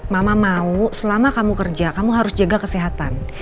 mama mau selama kamu kerja kamu harus jaga kesehatan